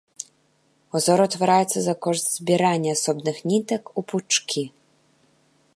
Узор утвараецца за кошт збірання асобных нітак у пучкі.